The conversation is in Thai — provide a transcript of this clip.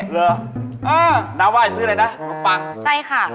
เหรอน้าว่าจะซื้ออะไรนะขนมปังใช่ค่ะ